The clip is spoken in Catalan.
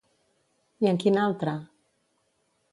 I en quin altre?